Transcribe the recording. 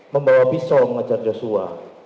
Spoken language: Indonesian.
membawa pisau mengejar joshua